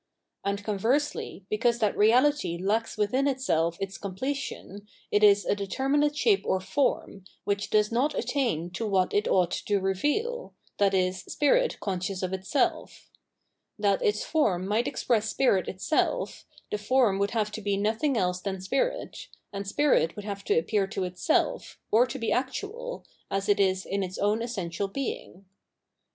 And conversely, because that reality lacks within itself its completion, it is a determinate shape or form, which does not attain to what it ought to reveal, viz. spirit conscious of itself. That its form might express spirit itself, the form would have to be nothing else than spirit, and spirit would have to appear to itself, or to be actual, as it is in its own essential being.